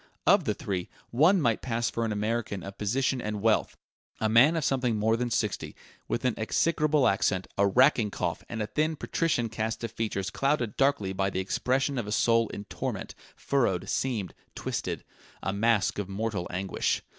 Of the three, one might pass for an American of position and wealth: a man of something more than sixty years, with an execrable accent, a racking cough, and a thin, patrician cast of features clouded darkly by the expression of a soul in torment, furrowed, seamed, twisted a mask of mortal anguish.